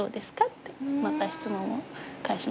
ってまた質問を返しましたけれど。